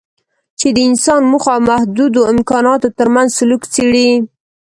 چې د انسان موخو او محدودو امکاناتو ترمنځ سلوک څېړي.